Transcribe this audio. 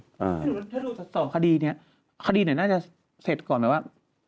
ถ้าดูสดสอบคดีนี้คดีไหนน่าจะเสร็จก่อนหรือว่า